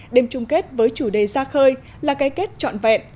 đêm chung kết với chủ đề ra khơi là cái kết trọn vẹn